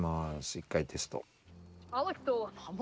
一回テスト。